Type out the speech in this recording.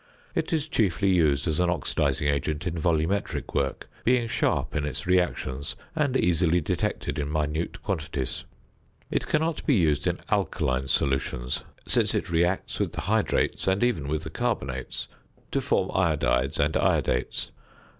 It is chiefly used as an oxidizing agent in volumetric work, being sharp in its reactions and easily detected in minute quantities. It cannot be used in alkaline solutions, since it reacts with the hydrates, and even with the carbonates, to form iodides and iodates.